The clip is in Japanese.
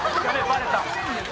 バレた。